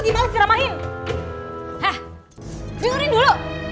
udah mabri tidak apa yang mau tidur